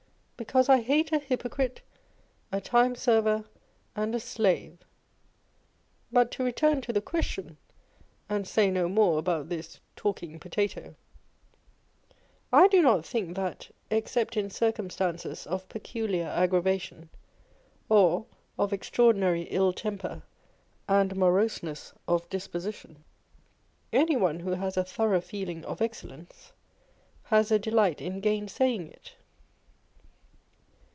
Because I hate a hypocrite, a timeserver, and a slave. But to return to the question, and say no more about this " talking potato " l â€" I do not think that, except in circumstances of peculiar aggravation, or of extraordi nary ill temper and moroseness of disposition, anyone who has a thorough feeling of excellence has a delight in gainsaying it.